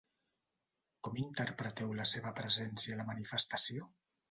Com interpreteu la seva presència a la manifestació?